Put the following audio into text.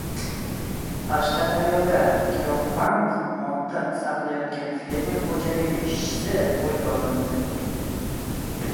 Qashqadaryoda giyohvand modda saqlayotgan fermer xo‘jaligi ishchisi qo‘lga olindi